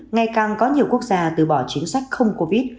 ngày càng có nhiều quốc gia từ bỏ chính sách không covid